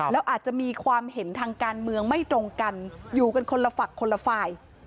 แล้วอาจจะมีความเห็นทางการเมืองไม่ตรงกันอยู่กันคนละฝั่งคนละฝ่าย